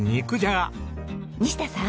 西田さん！